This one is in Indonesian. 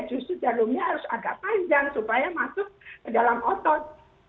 justru jadulnya harus agak panjang supaya masuk ke dalam otot